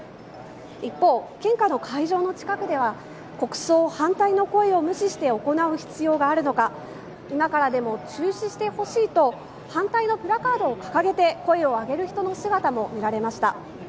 一方、献花の会場の近くでは国葬反対の声を無視して行う必要があるのか今からでも中止してほしいと反対のプラカードを掲げて、声をあげる人の姿も見られました。